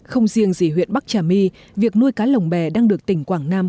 không riêng gì huyện bắc trà my việc nuôi cá lồng bè đang được tỉnh quảng nam